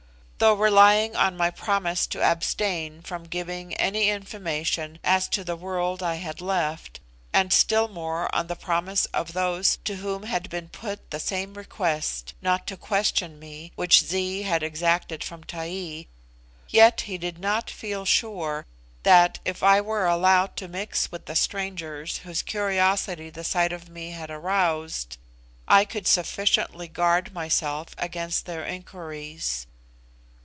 Though relying on my promise to abstain from giving any information as to the world I had left, and still more on the promise of those to whom had been put the same request, not to question me, which Zee had exacted from Taee, yet he did not feel sure that, if I were allowed to mix with the strangers whose curiosity the sight of me had aroused, I could sufficiently guard myself against their inquiries.